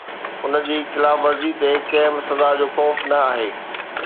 ان جي خلاف ورزي تي ڪنهن به سزا جو خوف نه آهي